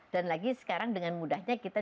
dan lagi sekarang dengan mudahnya kita